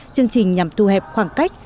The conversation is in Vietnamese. chương trình nhằm thu hẹp khoảng cách